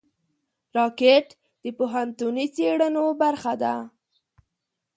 راکټ د پوهنتوني څېړنو برخه ده